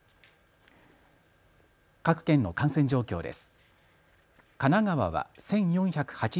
各県の感染状況です。